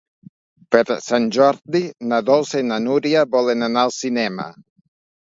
Per Sant Jordi na Dolça i na Núria volen anar al cinema.